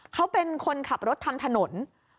เขาเป็นคนขับรถทำถนน